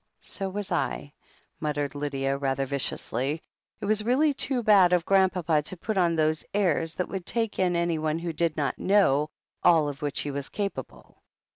"So was I," muttered Lydia rather viciously. It was really too bad of Grandpapa to put on those airs that would take in anyone who did not know all of which he was capable.